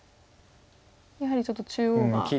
やはりちょっと中央が。